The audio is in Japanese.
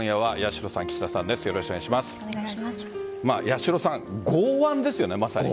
八代さん、剛腕ですよね、まさに。